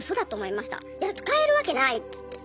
いや使えるわけないっつって。